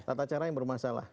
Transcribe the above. tata cara yang bermasalah